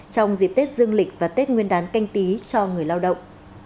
trong dịp tết dương lịch và tết nguyên đán canh tí cho người lao động